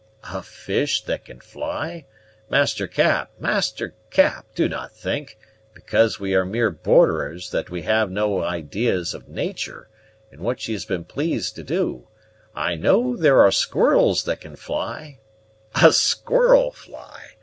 "A fish that can fly! Master Cap, Master Cap, do not think, because we are mere borderers, that we have no idees of natur', and what she has been pleased to do. I know there are squirrels that can fly " "A squirrel fly!